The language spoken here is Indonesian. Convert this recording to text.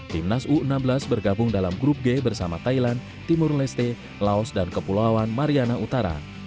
timnas u enam belas bergabung dalam grup g bersama thailand timur leste laos dan kepulauan mariana utara